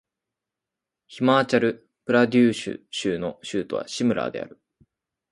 ヒマーチャル・プラデーシュ州の州都はシムラーである